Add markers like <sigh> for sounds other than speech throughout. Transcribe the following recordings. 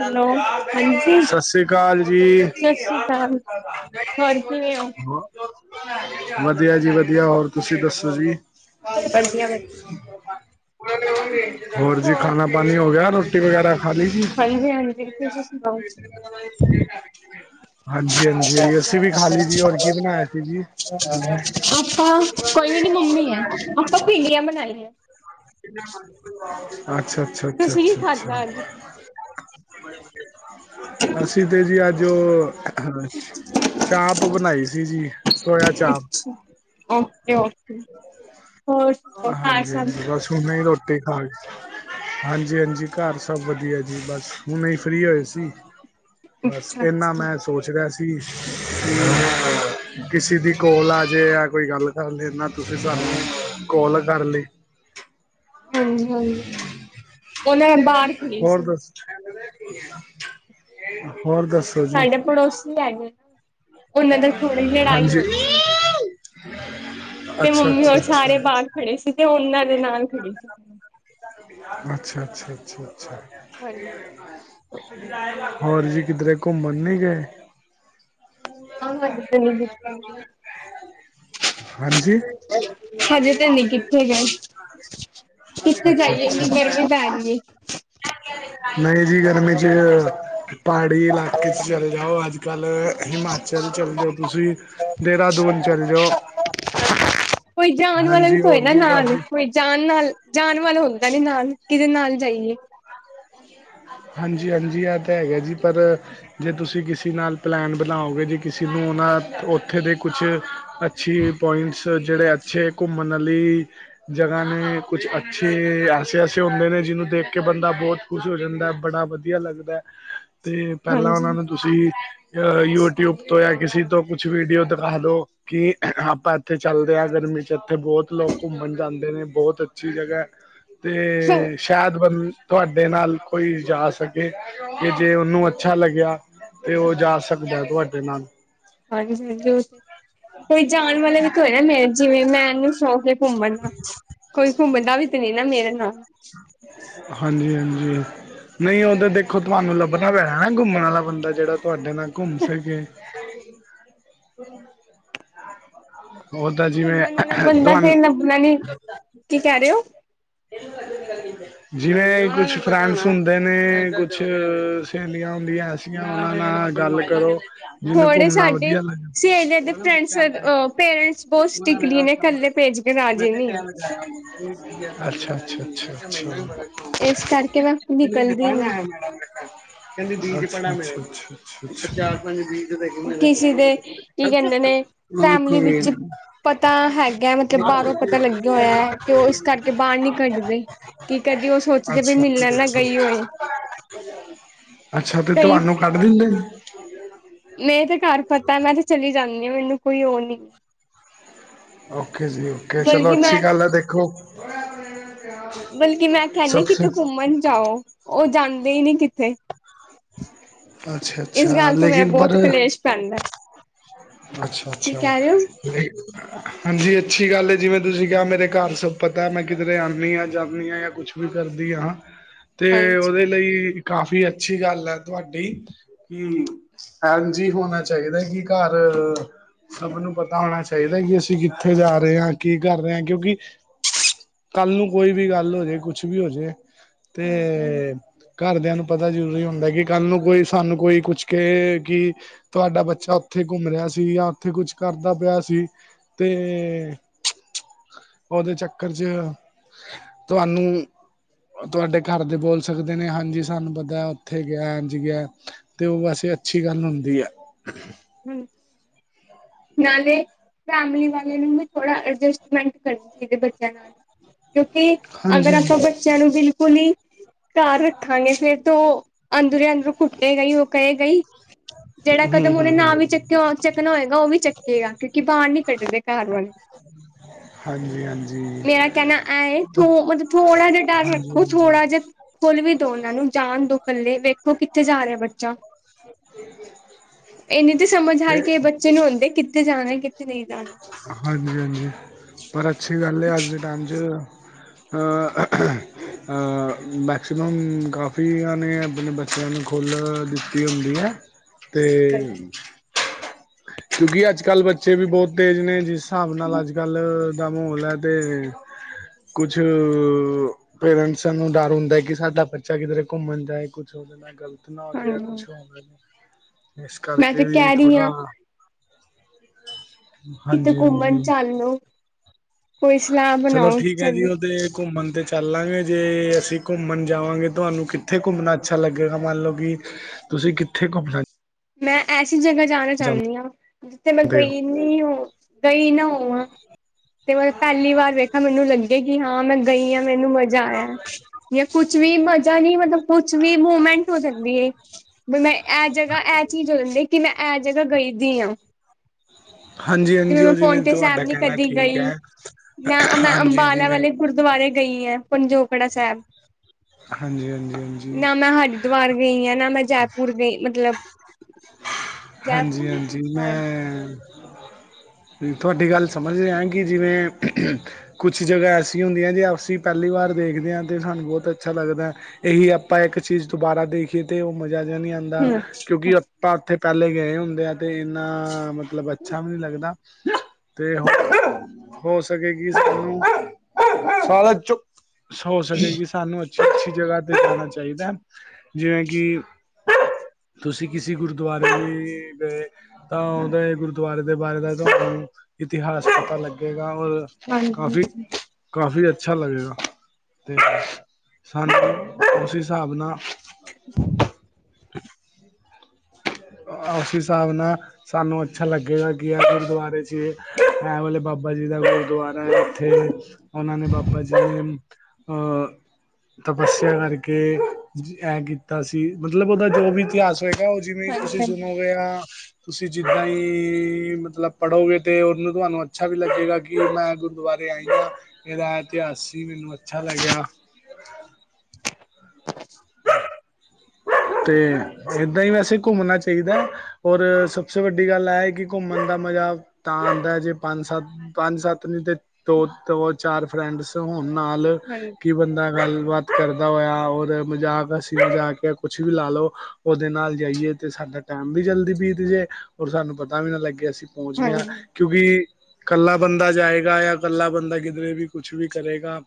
Hello ਹਾਂਜੀ ਸਤਿ ਸ੍ਰੀ ਅਕਾਲ ਜੀ। ਸਤਿ ਸ੍ਰੀ ਅਕਾਲ ਹੋਰ ਕਿਵੇਂ ਹੋ? <unintelligible> ਵਧੀਆ ਜੀ ਵਧੀਆ ਹੋਰ ਤੁਸੀਂ ਦੱਸੋ ਜੀ? ਵਧੀਆ ਵਧੀਆ। ਹੋਰ ਜੀ ਖਾਣਾ ਪਾਣੀ ਹੋ ਗਿਆ। ਰੋਟੀ ਵਗੈਰਾ ਖਾਲ ਲੀ ਹਾਂਜੀ ਹਾਂਜੀ, ਤੁਸੀ ਸੁਣਾਓ? ਹਾਂਜੀ ਅੱਛਾ, ਹਾਂਜੀ ਅਸੀਂ ਵੀ ਖਾ ਲਈ ਜੀ ਹੋਰ ਕੀ ਬਣਾਇਆ ਸੀ ਜੀ ਅਛਾ ਅਪਾ ਕੋਈ ਵੀ ਨੀ ਮੰਮੀ ਹੈ ਆਪਾਂ ਭਿੰਡੀਆਂ ਬਣਾਈਏ ਅੱਛਾ, ਅੱਛਾ, ਅੱਛਾ, ਤੁਸੀਂ ਕੀ ਅੱਛਾ, ਅੱਛਾ। ਖਾਧਾ ਅੱਜ? ਅਸੀ ਤੇ ਜੀ ਆ ਓਹ ਚਾਪ ਬਣਾਈ ਸੀ ਜੀ ਸੋਇਆ ਚਾਪ। ਓਕੇ ਓਕੇ ਹੋਰ ਸੁਣਾਓ ਹਾਂਜੀ ਹਾਂਜੀ ਬਸ <unintelligible> ਹਾਂਜੀ ਹਾਂਜੀ, ਘਰ ਸਭ ਵਧੀਆ ਜੀ ਬਸ ਹੁ ਨਹੀਂ ਫ੍ਰਰੀ ਹੋਏ ਸੀ। ਬਸ ਅੱਛਾ ਫਿਰ ਨਾ ਅੱਛਾ। ਮੈਂ ਸੋਚ ਰਿਹਾ ਸੀ। ਕਿਸੇ ਦੀ ਕੋਲ ਆ ਜੇ ਆ ਕੋਈ ਗੱਲ ਕਰ ਲੈਂਦਾ ਤੁਸੀਂ ਸਾਨੂੰ ਕੋਲ ਕਰ ਲਈ, ਹਾਂਜੀ ਹਾਂਜੀ ਹੁਣੇ ਬਾਹਰ ਖੜੀ ਸੀ। ਹੋਰ ਦੱਸ ਜੀ ਸਾਡੇ ਪੜੋਸੀ ਹੈਗੇ ਨਾ ਉਹਨਾਂ ਦਾ ਥੋੜ੍ਹੀ ਲੜਾਈ ਹਾਂਜੀ ਹੋ ਰਹੀ ਸੀ। <unintelligible> ਤੇ ਮੰਮੀ ਅੱਛਾ ਹੋਰ ਅੱਛਾ ਸਾਰੇ ਬਾਹਰ ਖੜੇ ਸੀ ਤੇ ਉਹਨਾਂ ਦੇ ਨਾਲ ਖੜੇ ਸੀ ਅੱਛਾ, ਅੱਛਾ, ਅੱਛਾ, ਅੱਛਾ, ਹਾਂਜੀ ਹੋਰ ਜੀ ਕਿਧਰੇ ਘੁੰਮਣ ਨੀ ਗਏ? ਹਾਂ, ਮੈ ਕਿਤੇ ਨੀ ਗਈ। ਹਾਂਜੀ ਹਜੇ ਤੇ ਨੀ ਕਿੱਥੇ ਗਏ। ਕਿੱਥੇ ਅੱਛਾ ਜਾਈਏ ਅੱਛਾ ਇੰਨੀ ਗਰਮੀ ਪੈ ਰਹੀ ਹੈ। ਨਹੀਂ ਜੀ ਗਰਮੀ ਚ ਪਹਾੜੀ ਇਲਾਕੇ ਚ ਚਲੇ ਜਾਓ ਅੱਜ ਕੱਲ ਹਿਮਾਚਲ ਚਲੇ ਜਾਓ ਤੁਸੀਂ ਦੇਹਰਾਦੂਨ ਚੱਲ ਜਾਓ। ਕੋਈ ਜਾਣ ਵਾਲਾ ਵੀ ਹਾਂਜੀ ਤੇ ਹੋਏ ਹੋਰ ਨਾਲ ਕਾਫੀ ਕੋਈ ਜਾਣ ਨਾਲ ਜਾਣ ਵਾਲਾ ਹੁੰਦਾ ਨੀ ਨਾਲ ਕਿਹਦੇ ਨਾਲ ਜਾਈਏ ਹਾਂਜੀ ਹਾਂਜੀ ਆਹ ਤਾਂ ਹੈਗਾ ਜੀ ਪਰ ਜੇ ਤੁਸੀਂ ਕਿਸੇ ਨਾਲ ਪਲੈਨ ਬਣਾਓਗੇ ਜੇ ਕਿਸੇ ਨੂੰ ਉਹਨਾਂ ਉੱਥੇ ਦੇ ਕੁਛ ਅੱਛੀ ਪੁਆਇੰਟਸ ਜਿਹੜੇ ਛੇ ਘੁੰਮਣ ਆਲੀ ਜਗ੍ਹਾ ਨੇ ਕੁਛ ਅੱਛੇ ਐਸੇ ਐਸੇ ਹੁੰਦੇ ਨੇ ਜਿਹਨੂੰ ਦੇਖ ਕੇ ਬੰਦਾ ਬਹੁਤ ਖੁਸ਼ ਹੋ ਜਾਂਦਾ ਬੜਾ ਵਧੀਆ ਲੱਗਦਾ ਤੇ ਪਹਿਲਾਂ ਹਾਂਜੀ ਉਹਨਾਂ ਨੂੰ ਤੁਸੀਂ ਯੂਟੀਊਬ ਤੋਂ ਜਾਂ ਕਿਸੀ ਤੋਂ ਕੁਛ ਵੀਡੀਓ ਦਿਖਾ ਲਉ ਕਿ ਆਪਾਂ ਇੱਥੇ ਚੱਲਦੇ ਹਾਂ ਗਰਮੀ ਚ ਇੱਥੇ ਬਹੁਤ ਲੋਕ ਘੁੰਮਣ ਜਾਂਦੇ ਨੇ ਬਹੁਤ ਅੱਛੀ ਜਗ੍ਹਾ ਤੇ ਸ਼ਾਇਦ ਬ ਤੁਹਾਡੇ ਨਾਲ ਕੋਈ ਜਾ ਸਕੇ ਕਿ ਜੇ ਉਹਨੂੰ ਅੱਛਾ ਲੱਗਿਆ। ਤੇ ਉਹ ਜਾ ਸਕਦਾ ਤੁਹਾਡੇ ਨਾਲ ਹਾਂਜੀ-ਹਾਂਜੀ ਕੋਈ ਜਾਣ ਵਾਲਾ ਵੀ ਤੇ ਹੋਏ ਮੈਂ ਜਿਵੇਂ ਮੈਂਨੂੰ ਸ਼ੌਕ ਏ। ਘੁੰਮਨਾ ਕੋਈ ਘੁੰਮਦਾ ਵੀ ਤੇ ਨਈ ਨਾ ਮੇਰੇ ਨਾਲ। ਹਾਂਜੀ-ਹਾਂਜੀ। ਨਈ ਉਹ ਤੇ ਦੇਖੋ ਤੁਆਨੂੰ ਲੱਭਣਾ ਪੈਣਾ ਨਾ ਘੁੰਮਣ ਆਲਾ ਬੰਦਾ ਜੇੜਾ ਤੁਆਡੇ ਨਾਲ ਘੁੰਮ ਸਕੇ। ਔਦਾ ਜਿਵੇਂ ਤੁਵਾਨ ਮੈ ਨੀ, ਕੀ ਕੈ ਰੇ ਔ? ਜਿਵੇਂ ਕੁਛ ਫਰੈਂਸ ਹੁੰਦੇ ਨੇ, ਕੁਛ ਸੈਹੇਲੀਆਂ ਹੁੰਦੀਐ। <unintelligible> ਨਾ ਗੱਲ ਕਰੋ। ਜਿਨੂੰ ਥੋੜੇ ਘੁਮਣਾ ਸਾਡੇ ਵਧੀਆ ਲਗ ਸਹੇਲੀਆਂ ਦੇ ਫਰੈਂਡਸ ਅ ਪੇਰੈਂਟਸ ਬਹੁਤ ਸਟ੍ਰਿਕਲੀ ਨੇ ਕੱਲੇ ਭੇਜ ਕੇ ਰਾਜੀ ਨੀ ਅੱਛਾ-ਅੱਛਾ, ਅੱਛਾ-ਅੱਛਾ। ਅੱਛਾ-ਅੱਛਾ, ਇਸ ਕਰਕੇ ਮੈਂ ਨਿਕਲਦੀ ਨੀ ਅੱਛਾ। ਚਾਰ-ਪੰਜ ਬੀਜ ਦੇਖੋ ਮੇਰੇ ਕਿਸੇ ਦੇ <unintelligible> ਕੀ ਸੱਚ ਐ, ਕਹਿੰਦੇ ਨੇ ਮੈਂ ਵੇਖ ਫੈਮਿਲੀ ਵਿੱਚ <unintelligible> ਪਤਾ ਹੈਗਾ ਮਤਲਬ ਬਾਰੋਂ ਪਤਾ ਲੱਗਿਆ ਹੋਇਆ ਓਹ ਇਸ ਕਰਕੇ ਬਾਰ ਨੀ ਕ ਕੱਡਦੇ ਕੀ ਕਦੀ ਓ ਸੋਚਦੇ ਬਈ ਮਿਲਣ ਨਾ ਗਈ ਹੋਏ। ਮਜ਼ਾ ਆਯਾ। ਅੱਛਾ ਤੇ ਕਈ ਤੁਆਨੂੰ ਕੱਢ ਦਿੰਦੇ ਨੇ? ਮੇ ਤੇ ਘਰ ਪਤਾ ਮੈਂ ਤੇ ਚਲੀ ਜਾਣੀ ਆ ਮੈਨੂੰ ਕੋਈ ਓਹ ਨੀ ਏ। ਓਕੇ ਜੀ ਓਕੇ, ਚਲੋ ਬਲਕਿ ਮੈਂ ਅੱਛੀ ਗੱਲ ਐ ਦੇਖੋ ਬਲਕਿ ਮੈਂ ਕੈਣੀ ਆ ਸਭਸੇ ਕਿੱਤੇ ਘੁੰਮਣ ਜਾਓ, ਓਹ ਜਾਂਦੇ ਈ ਨੀ ਕਿੱਥੇ। ਅੱਛਾ ਇਸ ਅੱਛਾ ਗੱਲ ਤੋਂ ਮੇਰਾ ਲੇਕਿਨ ਬੌਤ ਕਲੇਸ਼ ਪੈਂਦਾ। ਕੀ ਅੱਛਾ-ਅੱਛਾ ਕਹਿ ਰਹੇ ਹੋ ਵੇ ਹਾਂਜੀ ਅੱਛੀ ਗੱਲ ਏ ਜਿਵੇਂ ਤੁਸੀਂ ਕਿਹਾ ਮੇਰੇ ਘਰ ਸਭ ਪਤਾ ਮੈਂ ਕਿਧਰੇ ਆਣੀ ਆ ਜਾਣੀ ਆ ਯਾ ਕੁਛ। ਵੀ ਕਰਦੀ ਹਾਂ। ਤੇ ਹਾਂਜੀ ਓਦੇ ਲਈ ਕਾਫੀ ਅੱਛੀ ਗੱਲ ਐ ਤੁਆਡੀ। ਕਿ ਐੰਜ ਹੀ ਹੋਣਾ ਚਾਹੀਦਾ ਕਿ ਘੱਰ ਸਭ ਨੂੰ ਪਤਾ ਹੋਣਾ ਚਾਹੀਦਾ ਕਿ ਅਸੀਂ ਕਿੱਥੇ ਜਾ ਰਹੇ ਆ ਕੀ ਕਰ ਰੇ ਆ ਕਿਉਂਕਿ ਕੱਲ ਨੂੰ ਕੋਈ ਵੀ ਗੱਲ ਹੋਜੇ, ਕੁਛ ਵੀ ਹੋਜੇ ਤੇ ਹਾਂਜੀ ਘਰਦਿਆਂ ਨੂੰ ਪਤਾ ਜ਼ਰੂਰੀ ਹੁੰਦਾ ਕਿ ਕੱਲ ਨੂੰ ਕੋਈ ਸਾਨੂੰ ਕੋਈ ਕੁਛ ਕਏ ਕਿ ਤੁਆਡਾ ਬੱਚਾ ਉੱਥੇ ਘੁੰਮ ਰਿਆ ਸੀ ਯਾ ਉੱਥੇ ਕੁਛ ਕਰਦਾ ਪਿਆ ਸੀ ਤੇ ਓਦੇ ਚੱਕਰ ਚ ਤੁਆਨੂੰ ਤੁਆਡੇ ਘਰ ਦੇ ਬੋਲ ਸਕਦੇ ਨੇ ਹਾਂਜੀ ਸਾਨੂੰ ਪਤਾ ਉੱਥੇ ਗਿਆ ਐੰਜ ਗਿਆ। ਤੇ ਓ ਵੈਸੇ ਅੱਛੀ ਗੱਲ ਹੁੰਦੀ ਐ। ਹ ਨਾਲੇ ਫੈਮਲੀ ਵਾਲਿਆ ਨੂੰ ਵੀ ਥੋੜਾ ਅਡਜਸਟਮੈਂਟ ਕਰਨੀ ਚਾਹੀਦੀ ਏ ਬੱਚਿਆਂ ਨਾਲ। ਕਿਉਂਕਿ ਅਗਰ ਹਾਂਜੀ ਹਾਂਜੀ। ਆਪਾਂ ਬੱਚਿਆਂ ਨੂੰ ਬਿਲਕੁਲ ਈ ਘੱਰ ਰੱਖਾਂਗੇ ਫੇਰ ਤੇ ਔ ਅੰਦਰੋਂ-ਅੰਦਰੋਂ ਘੁੱਟੇਗਾ ਈ ਓਹ ਕਹੇ ਗਾ ਈ ਜੇੜਾ ਹੂੰ ਕਦਮ ਹੂੰ ਓਨੇ ਨਾ ਹੂੰ ਵੀ ਚਕ ਕਿਉ ਚੱਕਣਾ ਹੋਏਗ ਓਵੀ ਚੱਕੇਗਾ, ਕਿਉਂਕਿ ਬਾਰ ਨੀ ਕੱਢਦੇ ਘਰ ਵਾਲੇ। ਹਾਂਜੀ ਹਾਂਜੀ ਮੇਰਾ ਕੈਣਾ ਐ ਏ ਥੋ ਮਤਲਬ ਥੋੜਾ ਜਾ ਡੱਰ ਹਾਂਜੀ ਰੱਖੋ ਹਾਂਜੀ। ਥੋੜਾ ਜਾ। ਖੁੱਲ ਵੀ ਦੋ ਓਨਾਂ ਨੂੰ ਜਾਣ ਦੋ ਕੱਲੇ ਵੇਖੋ ਕਿੱਥੇ ਜਾ ਰਿਆ ਬੱਚਾ। ਏਨੀ ਤੇ ਸਮਝ ਹਰ ਕਿਹੇ ਬੱਚੇ ਨੂੰ ਹੋਦੀ ਕਿੱਥੇ ਜਾਣਾ ਕਿੱਥੇ ਨੀ ਜਾਣਾ। ਹਾਂਜੀ-ਹਾਂਜੀ, ਪਰ ਅੱਛੀ ਗੱਲ ਏ ਅੱਜ ਜਾਣਾ। ਦੇ ਟੈਮ ਚ ਹਅ, ਅਹਅਹ ਅ ਮੈਕਸੀਮਮ ਕਾਫੀ ਆ ਨੇ, ਅਬਣੇ ਬੱਚਿਆਂ ਨੂੰ ਖੁੱਲ ਦਿੱਤੀ ਹੁੰਦੀ ਐ। ਤੇ ਕਿਉਂਕਿ ਅੱਜ-ਕੱਲ੍ਹ ਬੱਚੇ ਵੀ ਬੌਤ ਤੇਜ਼ ਨੇ, ਜਿਸ ਸਾਬ ਨਾਲ ਅੱਜ ਗੱਲ ਦਾ ਮਹੌਲ ਹੈ ਤੇ, ਕੁਛ ਪੇਰੈਂਟਸਾ ਨੂੰ ਡਰ ਹੁੰਦੈ ਕਿ ਸਾਡਾ ਬੱਚਾ ਕਿਧਰੇ ਘੁੰਮਣ ਜਾਏ, ਕੁਛ ਓਹਦੇ ਨਾਲ ਗੱਲ ਤ ਨਾ ਹੋਜੇ ਯਾ ਹਾਂਜੀ ਕੁਛ ਹੋਣ ਲਈ, ਇਸ ਮੈਂ ਕਰਕੇ ਤੇ ਵੀ ਕਹਿ ਰਹੀ ਹਾਂ ਥੋੜਾ ਕਿਤੇ ਹਾਂਜੀ, ਘੁੰਮਣ ਹਾਂਜੀ। ਚੱਲ ਲੋ ਕੋਈ ਸਲਾਹ ਚਲੋ ਬਣਾਓ ਠੀਕ ਹੈ ਜੀ, ਚਲੋ ਉਹਦੇ ਘੁੰਮਣ ਤੇ ਚੱਲਾਂਗੇ ਜੇ ਅਸੀਂ ਘੁੰਮਣ ਜਾਵਾਂਗੇ, ਤੁਹਾਨੂੰ ਕਿੱਥੇ ਘੁੰਮਣਾ ਅੱਛਾ ਲੱਗੇਗਾ ਮੰਨ ਲਓ ਕਿ ਤੁਸੀਂ ਕਿੱਥੇ ਘੁੰਮਣਾ? ਮੈਂ ਐਸੀ ਜਗ੍ਹਾ ਜਾਣਾ ਚਾਹੁੰਦੀ ਹਾਂ, ਜਿੱਥੇ ਮੈਂ ਚਾਹੁੰਦੇ ਹੋ ਗਈ ਨਹੀਂ ਹੋ ਗਈ ਨਾ ਹੋਵਾਂ। ਤੇ ਮੈਂਬ ਪਹਿਲੀ ਵਾਰ ਵੇਖਾ, ਮੈਨੂੰ ਲੱਗੇ ਕਿ ਹਾਂ ਮੈਂ ਗਈ ਆਾਂ ਮੈਨੂੰ ਮਜ ਜਾ ਆਇਆ, ਜਾਂ ਕੁਛ ਵੀ ਮਜ਼ਾ ਨੀ ਮਤਲਬ ਕੁਛ ਵੀ ਮੂਵਮੈਂਟ ਹੋ ਜਾਂਦੀ ਹੈ, ਵੀ ਮੈਂ ਇਹ ਜਗ੍ਹਾ ਇਹ ਚੀਜ਼ ਲੈਂਦੇ, ਕਿ ਮੈਂ ਇਹ ਜਗ੍ਹਾ ਗਈਦੀ ਹਾਂ। ਹਾਂਜੀ ਜਿਵੇਂ ਹਾਂਜੀ ਮੈਂ ਉਹ ਪੋਨਟੇ ਸਾਹਿਬ ਤੁਹਾਡਾ ਨੀ ਕਹਿਣਾ ਕਦੀ ਠੀਕ ਗਈ, ਹੈ ਮੈਂ ਮੈਂ ਹਾਂਜੀ ਅੰਬਾਲਾ ਜਿਵੇਂ ਵਾਲੇ ਗੁਰਦੁਆਰੇ ਗਈ ਹੈ ਪੰਜੋਕੜਾ ਸਾਹਿਬ, ਹਾਂਜੀ ਹਾਂਜੀ ਹਾਂਜੀ ਨਾ ਮੈਂ ਹਜ ਦੁਵਾਰ ਗਈ ਆਾਂ, ਨਾ ਮੈਂ ਜੈਪੁਰ ਗਈ ਮਤਲਬ ਹਾਂਜੀ ਜੈਪੁਰ ਹੀ ਸੀ ਹਾਂਜੀ, ਸ਼ਾਇਦ ਮੈਂ ਤੁਹਾਡੀ ਗੱਲ ਸਮਝਦੇ ਆਾਂ, ਕਿ ਜਿਵੇਂ ਕੁਛ ਜਗ੍ਹਾ ਐਸੀਆਂ ਹੁੰਦੀਆਂ ਜੇ ਅਸੀਂ ਪਹਿਲੀ ਵਾਰ ਦੇਖਦੇ ਹਾਂ, ਤਾਂ ਸਾਨੂੰ ਬਹੁਤ ਅੱਛਾ ਲੱਗਦਾ। ਇਹੀ ਆਪਾਂ, ਇੱਕ ਚੀਜ਼ ਦੁਬਾਰਾ ਦੇਖੀਏ ਤੇ ਉਹ ਮਜਾ ਜਿਹਾ ਨਹੀਂੀ ਆਉਂਦਾ, ਹਮ ਕਿਉਂਕਿ ਆਪਾਂ ਉੱਥੇ ਪਹਿਲੇ ਗਏ ਹੁੰਦੇ ਆ ਤੇ ਇੰਨਾ ਮਤਲਬ ਅੱਛਾ ਵੀ ਨੀ ਲੱਗਦਾ। ਤੇ ਹੋ ਸਕੇਗੀ ਸਾਨੂੰ, ਸਾਲੇ ਚੁੱਪ ਹੋ ਸਕੇ ਕਿ ਸਾਨੂੰ, ਅੱਛੀ ਅੱਛੀ ਜਗ੍ਹਾ ਤੇ ਜਾਣਾ ਚਾਹੀਦਾ ਜਿਵੇਂ ਕਿ ਕਿ ਤੁਸੀਂ ਕਿਸੇ ਗੁਰਦੁਆਰੇ ਤਾਂ ਉਹਦੇ ਗੁਰਦੁਆਰੇ ਦੇ ਬਾਰੇ ਦਾ, ਤੁਹਾਨੂੰ ਇਤਿਹਾਸ ਪਤਾ ਲੱਗੇਗਾ ਔਰ ਹਾਂਜੀ, ਹਾਂਜੀ। ਕਾਫ਼ੀ ਅੱਛਾ ਲੱਗੇਗਾ, ਤੇ ਸਾਨੂੰ ਉਸ ਹਿਸਾਬ ਨਾਲ <unintelligible> <inaudible> ਉਸ ਹਿਸਾਬ ਨਾਲ ਸਾਨੂੰ ਅੱਛਾ ਲੱਗੇਗਾ, ਕਿ ਐ ਗੁਰਦੁਆਰੇ 'ਚ ਐ ਵਾਲੇ ਬਾਬਾ ਜੀ ਦਾ ਗੁਰਦੁਆਰਾ ਹੈ। ਉੱਥੇ, ਉਹਨਾਂ ਨੇ ਬਾਬਾ ਜੀ ਅਹ ਤਪੱਸਿਆ ਕਰਕੇ ਐ ਕੀਤਾ ਸੀ, ਮਤਲਬ ਉਹਦਾ ਜੋ ਵੀ ਇਤਿਹਾਸ ਹੋਏਗਾ ਉਹ ਜਿਵੇਂ ਤੁਸੀਂ ਹਾਂਜੀ ਸੁਣੋਗੇ ਹ ਤੁਸੀਂ ਜਿੱਦਾਂ ਹੀ ਮਤਲਬ ਪੜ੍ਹੋਗੇ, ਤੇ ਉਹਨੂੰ ਤੁਹਾਨੂੰ ਅੱਛਾ ਵੀ ਲੱਗੇਗਾ ਕਿ ਕਿ ਮੈਂ ਗੁਰਦੁਆਰੇ ਆਈ ਹਾਂ, ਇਹਦਾ ਇਤਿਹਾਸ ਸੀ, ਮੈਨੂੰ ਅੱਛਾ ਲੱਗਿਆ। ਤੇ, ਏਦਾਂ ਹੀ ਵੈਸੇ ਘੁੰਮਣਾ ਚਾਹੀਦਾ। ਔਰ ਸਭਸ ਵੱਡੀ ਗੱਲ ਹੈ, ਕਿ ਘੁੰਮਣ ਦਾ ਮਜ਼ਾ ਤਾਂ ਆਉਂਦਾ ਜੇ ਪੰਜ ਸੱਤ ਪੰਜ ਸੱਤ ਨਹੀਂ, ਤੇ ਦੋ, ਦੋ ਚਾਰ ਫਰੈਂਡਸ ਹੋਣ ਨਾਲ ਹਾਂਜੀ ਕੀ ਬੰਦਾ ਗੱਲਬਾਤ ਕਰਦਾ ਹੋਇਆ, ਔਰ ਮਜ਼ਾਕ ਅਸੀ ਮਜ਼ਾਕ ਕੁਛ ਵੀ ਲਾ ਲੋ ਉਹਦੇ ਨਾਲ ਜਾਈਏ, ਤੇ ਸਾਡਾ ਟਾਈਮ ਵੀ ਜਲਦੀ ਬੀਤ ਜੇ ਔਰ ਸਾਨੂੰ ਪਤਾ ਵੀ ਨਾ ਲੱਗੇ ਅਸੀਂ ਪੋਂਚ ਗਿਆਂ। ਹਾਂਜੀ ਕਿਉਂਕਿ ਕੱਲਾ ਬੰਦਾ ਜਾਏਗਾ, ਯਾ‌ ਕੱਲਾ ਬੰਦਾ ਕਿਧਰੇ ਵੀ ਕੁਛ ਵੀ ਕਰੇਗਾ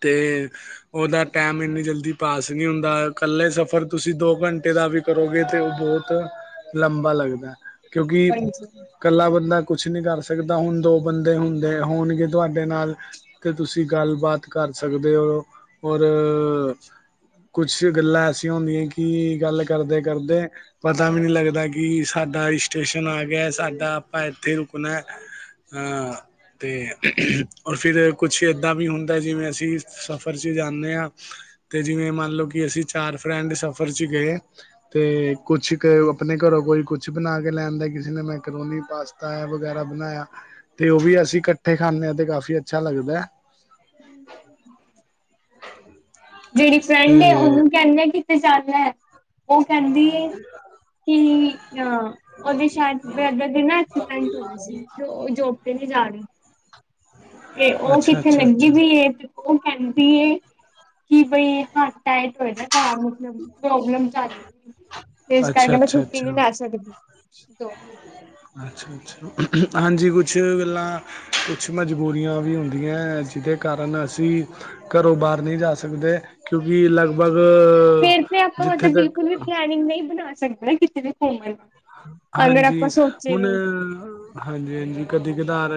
ਤੇ, ਉਹਦਾ ਟਾਈਮ ਇੰਨੀ ਜਲਦੀ ਪਾਸ ਈ ਨਹੀਂ ਹੁੰਦਾ। ਇਕੱਲੇ ਸਫ਼ਰ ਤੁਸੀਂ ਦੋ ਘੰਟੇ ਦਾ ਵੀ ਕਰੋਗੇ, ਤੇ ਉਹ ਬਹੁਤ ਲੰਬਾ ਲੱਗਦਾ। ਕਿਉਂਕਿ ਹਾਂਜੀ ਕੱਲਾ ਬੰਦਾ ਕੁਛ ਨਹੀਂ ਕਰ ਸਕਦਾ, ਹੁਣ ਦੋ ਬੰਦੇ ਹੁੰਦੇ, ਹੋਣਗੇ ਤੁਹਾਡੇ ਨਾਲ। ਤੇ ਤੁਸੀਂ ਗੱਲਬਾਤ ਕਰ ਸਕਦੇ ਓ, ਔਰ ਕੁਛ ਕੁਛ ਗੱਲਾਂ ਐਸੀਆਂ ਹੁੰਦੀਆਂ, ਕਿ ਗੱਲ ਕਰਦੇ-ਕਰਦੇ ਪਤਾ ਵੀ ਨਹੀਂ ਲੱਗਦਾ ਕਿ ਸਾਡਾ ਸਟੇਸ਼ਨ ਆਗਿਆ, ਸਾਡਾ ਆਪਾਂ ਇੱਥੇ ਰੁਕਣੈ। ਹਾਂ। ਤੇ, ਔਰ ਫਿਰ ਕੁਛ ਇੱਦਾਂ ਵੀ ਹੁੰਦਾ, ਜਿਵੇਂ ਅਸੀਂ ਸਫ਼ਰ 'ਚ ਜਾਂਨੇੇ ਆ ਤੇ ਜਿਵੇਂ ਮੰਨਲੋ, ਕਿ ਅਸੀਂ ਚਾਰ ਫਰੈਂਡ ਸਫ਼ਰ'ਚ ਗਏ। ਤੇ, ਕੁਛ ਆਪਣੇ ਘਰੋਂ ਕੋਈ ਕੁਛ ਬਣਾਕੇ ਲੈ ਆਂਦਾ, ਕਿਸੇ ਨੇ ਮੈਕਰੋਨੀ, ਪਾਸਤਾ ਤਆ ਵਗੈਰਾ ਬਣਾਇਆ, ਤੇ ਉਹ ਵੀ ਅਸੀਂ ਕੱਠੇ ਖਾਂਦੇ ਹਾਂ ਤੇ ਕਾਫੀ ਅੱਛਾ ਲੱਗਦੈ। ਜਿਹੜੀ ਤੇ ਫਰੈਂਡ ਏ, ਉਹਨੂੰ ਕਹਿੰਨੇ ਆ ਕਿਤੇ ਜਾਣੈ। <unintelligible> ਕਿ, ਅ ਉਹਦੇ ਸ਼ਾਇਦ ਬ੍ਰਦਰ ਦੇ ਨਾ ਐਕਸੀਡੈਂਟ ਹੋਗਿਆ ਸੀ। ਤੇ ਉਹ ਜੋਬ ਤੇ ਨੀ ਜਾ ਰਹੀ, ਤੇ ਉਹ ਅੱਛਾ ਕਿੱਥੇ ਅੱਛਾ ਲਗ ਵੀ ਅੱਛਾ ਵੀ, ਇਹ ਉਹ ਕਹਿੰਦੀ ਏ, ਕਿ ਬਈ ਹੱਥ ਟਾਇਟ ਹੋਏ ਦਾ। ਘਰ ਮਤਲਬ ਪ੍ਰੋਬਲਮ ਚੱਲ ਰਹੀ। ਤੇ ਇਸ ਅੱਛਾ ਕਰਕੇ ''ਮੈਂ ਅੱਛਾ ਛੁੱਟੀ ਨਹੀਂ ਅੱਛਾ ਲੈ ਸਕਦੀ। ਅੱਛਾ-ਅੱਛਾ, ਹਾਂਜੀ ਕੁਛ ਗੱਲਾਂ ਕੁਛ ਮਜ਼ਬੂਰੀਆਂ ਵੀ ਜਿਹਦੇ ਕਾਰਨ ਅਸੀਂ ਘਰੋਂ ਬਾਹਰ ਨਹੀਂ ਜਾ ਸਕਦੇ, ਕਿਉਂਕਿ ਲਗਭਗ ਫਿਰ ਤੇ ਆਪਾ ਜਿੱਥੇ ਮਤਲਬ ਤੱਕ ਬਿਲਕੁਲ ਵੀ ਪਲੈਨਿਂਗ ਨਹੀਂ ਬਣਾ ਸਕਦੇ, ਕਿਤੇ ਵੀ ਘੁੰਮਣ। ਅਗਰ ਆਪਾਂ ਹਾਂਜੀ, ਸੋਚੇ ਹੁਨ ਵੀ ਹਾਂਜੀ-ਹਾਂਜੀ, ਕਦੀ-ਕਧਾਰ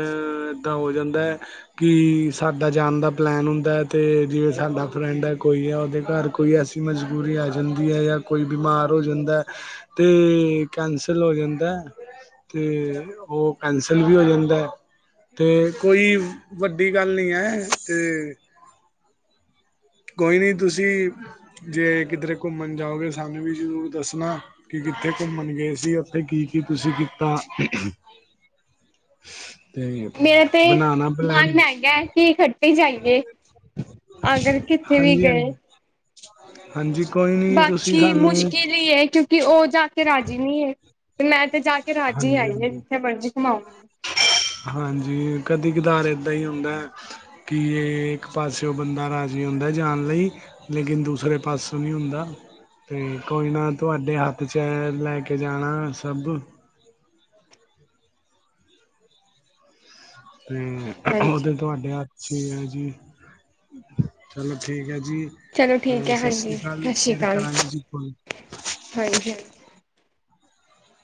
ਇੱਦਾਂ ਹੋ ਜਾਂਦੈ ਕਿ, ਸਾਡਾ ਜਾਣ ਦਾ ਪਲੈਨ ਹੁੰਦਾ ਹੈ ਤੇ, ਜਿਵੇਂ ਸਾਡਾ ਫਰੈਂਡ ਹੈ ਕੋਈ ਹੈ ਉਹਦੇ ਘਰ ਕੋਈ ਐਸੀ ਮਜ਼ਬੂਰੀ ਆ ਜਾਂਦੀ ਆ, ਯਾ ਕੋਈ ਬਿਮਾਰ ਹੋ ਜਾਂਦਾ ਤੇ ਕੈਂਸਲ ਹੋ ਜਾਂਦੈ, ਤੇ ਉਹ ਕੈਂ ਕੈਂਸਲ ਵੀ ਹੋ ਜਾਂਦੈ, ਤੇ ਕੋਈ ਵੱਡੀ ਗੱਲ ਨਹੀਂ ਐ ਅਤੇ ਕੋਈ ਨਹੀ ਤੁਸੀਂ, ਜੇ ਕਿਧਰੇ ਘੁੰਮਣ ਜਾਓਗੇ ਸਾਨੂੰ ਵੀ ਜ਼ਰੂਰ ਦੱਸਣਾ। ਕੀ ਕਿੱਥੇ ਘੁੰਮਣ ਗਏ ਸੀ, ਉੱਥੇ ਕੀ-ਕੀ ਤੁਸੀਂ ਕੀਤਾ। <inaudible> ਤੇ ਮੇਰਾ ਤੇ, ਬਣਾਣਾ ਪਲੈਨ ਮਨ ਹੈਗਾ ਕੀ ਇਕੱਠੇ ਜਾਈਏ, ਅਗਰ ਕਿੱਥੇ ਵੀ ਹਾਂਜੀ ਗਏ। ਹਾਂਜੀ ਹਾਂਜੀ, ਕੋਈ ਨੀ ਤੁਸੀਂ ਬਾਕੀ ਸਾਨੂੰ ਮੁਸ਼ਕਿਲ ਈ ਏ, ਕਿਉਂਕਿ ਉਹ ਜਾ ਰਾਜੀ ਨੀ ਹੈ, ਤੇ ''ਮੈਂ ਤੇ ਜਾਕੇ ਰਾਜੀ ਹਾਂਜੀ ਆਈ ਹਾ, ਹਾਂਜੀ ਜਿੱਥੇ ਮਰਜ਼ੀ ਘੁਮਾਓ। ਹਾਂਜੀ, ਕਦੀ-ਕਦਾਰ ਏਦਾਂ ਹੀ ਹੁੰਦਾ। ਕਿ, ਇਹ ਇੱਕ ਪਾਸਿਓ ਬੰਦਾ ਰਾਜੀ ਹੁੰਦਾ ਜਾਣ ਲਈ ਲੇਕਿਨ ਦੂਸਰੇ ਪਾਸੇਓ ਨਹੀਂ ਹੁੰਦਾ। ਤੇ ਕੋਈ ਨਾ, ਤੁਹਾਡੇ ਹੱਥ'ਚ ਲੈਕੇ ਜਾਣਾ ਸਭ। ਤੇ, ਉਹ ਤੇ ਹਾਂਜੀ ਤੁਹਾਡੇ ਹੱਥ ਠੀਕ ਹੈ ਜੀ, ਚਲੋ ਠੀਕ ਹੈ ਜੀ। ਚਲੋ ਠੀਕ ਅ ਹੈ ਸਤਿ ਸ੍ਰੀ ਹਾਂਜੀ ਅਕਾਲ ਸਤਿ ਸ਼੍ਰੀ ਫਿਰ ਅਕਾਲ ਕਰਾਂਗੇ ਜੀ ਕੋਈ ਨਈ। ਹਾਂਜੀ ਹਾਂ।